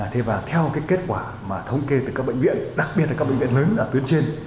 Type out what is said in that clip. thế và theo cái kết quả mà thống kê từ các bệnh viện đặc biệt là các bệnh viện lớn ở tuyến trên